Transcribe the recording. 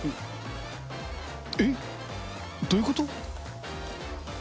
えっ、どういうこと。